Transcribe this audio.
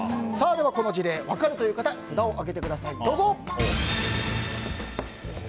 この事例、分かるという方札を上げてください、どうぞ。